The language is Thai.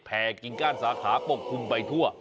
กิ่งก้านสาขาปกคลุมไปทั่ว